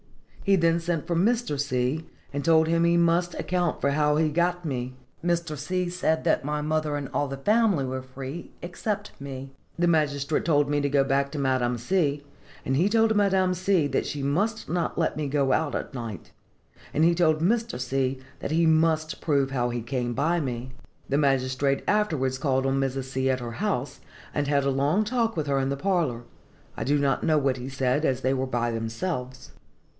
He then sent for Mr. C., and told him he must account for how he got me. Mr. C. said that my mother and all the family were free, except me. The magistrate told me to go back to Madame C., and he told Madame C. that she must not let me go out at night; and he told Mr. C. that he must prove how he came by me. The magistrate afterwards called on Mrs. C., at her house, and had a long talk with her in the parlor. I do not know what he said, as they were by themselves.